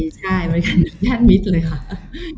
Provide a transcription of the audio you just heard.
ใช่บริการญาติมิตรเลยค่ะ